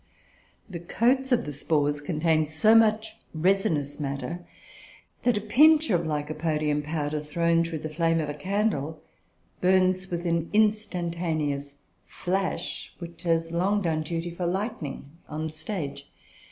The coats of the spores contain so much resinous matter, that a pinch of Lycopodium powder, thrown through the flame of a candle, burns with an instantaneous flash, which has long done duty for lightning on the stage.